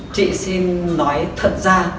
chị xin nói thật ra